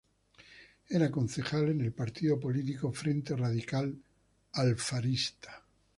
Era concejal por el partido político Frente Radical Alfarista.